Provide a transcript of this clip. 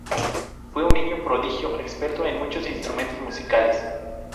Fue un niño prodigio experto en muchos instrumentos musicales.